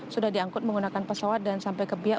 sudah diangkut menggunakan pesawat dan sampai ke biak